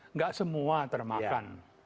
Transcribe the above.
nggak semua termahkan